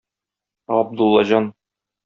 Габдуллаҗан.